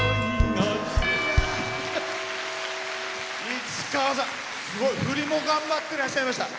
市川さん、振りも頑張ってらっしゃいました。